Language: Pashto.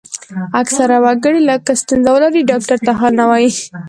اکثره وګړي که ستونزه ولري ډاکټر ته حال نه وايي.